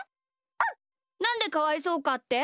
なんでかわいそうかって？